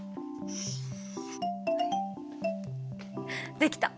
できた！